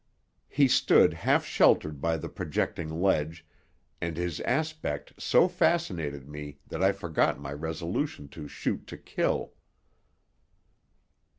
He stood half sheltered by the projecting ledge, and his aspect so fascinated me that I forgot my resolution to shoot to kill.